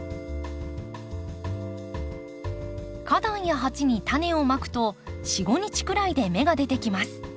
花壇や鉢にタネをまくと４５日くらいで芽が出てきます。